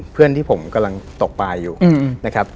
เพื่อนที่ผมกำลังตกปลาอยู่นะครับ